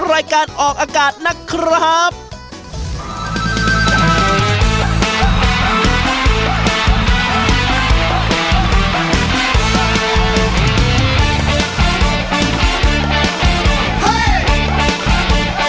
ถ้าเป็นเลข๒